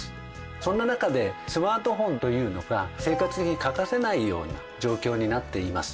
そんな中でスマートフォンというのが生活に欠かせないような状況になっています。